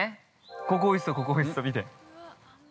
ここ、おいしそう、おいしそう、見て。